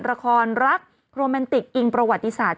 ละครรักโรแมนติกอิงประวัติศาสต